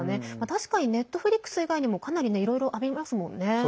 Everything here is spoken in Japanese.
確かにネットフリックス以外にもかなり、いろいろありますもんね。